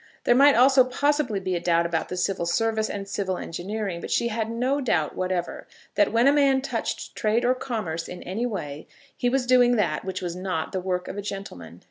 There might also possibly be a doubt about the Civil Service and Civil Engineering; but she had no doubt whatever that when a man touched trade or commerce in any way he was doing that which was not the work of a gentleman.